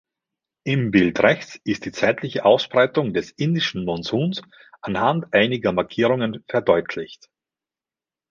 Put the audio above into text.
Im Bild rechts ist die zeitliche Ausbreitung des indischen Monsuns anhand einiger Markierungen verdeutlicht.